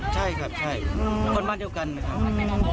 ใช่ครับใช่คนบ้านเดียวกันไหมครับ